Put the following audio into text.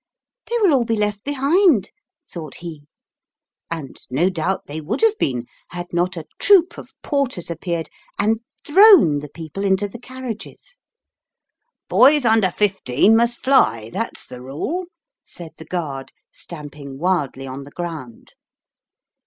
" They will all be left behind," thought he ; and no doubt they would have been had not a troop of porters appeared and thrown the people into the carriages. "Boys under fifteen must fly; that's the rule/' said the guard, stamping wildly on the ground.